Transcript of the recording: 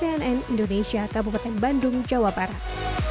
tim diputan cnn indonesia kabupaten bandung jawa barat